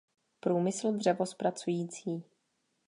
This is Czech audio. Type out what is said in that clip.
Průmysl dřevozpracující.